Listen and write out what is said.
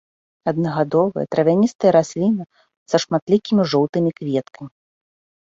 Аднагадовая травяністая расліна са шматлікімі жоўтымі кветкамі.